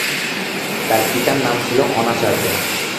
তার পিতার নাম ছিল অনাচার্য।